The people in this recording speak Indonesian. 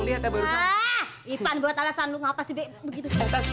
iban buat alasan lu ngapa sih begitu